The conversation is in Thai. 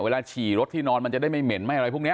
ฉี่รถที่นอนมันจะได้ไม่เหม็นไม่อะไรพวกนี้